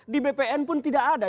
di bpn pun tidak ada